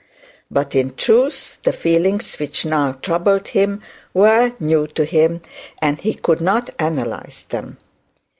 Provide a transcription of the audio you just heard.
But, in truth, the feelings which now troubled him were new to him, and he could not analyse them.